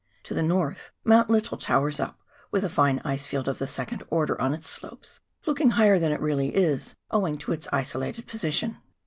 To the north Mount Lyttle towers up, with a fine ice field of the second order on its slopes, looking higher than it really is owing to its isolated position.